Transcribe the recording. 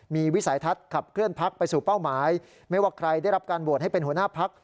มีวิสัยทัศน์ขับเคลื่อนพักไปสู่เป้าหมายไม่ว่าใครได้รับการโหวตให้เป็นหัวหน้าพัก